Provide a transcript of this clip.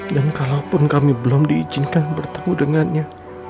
dan kalaupun kami belum diizinkan bertemu dengannya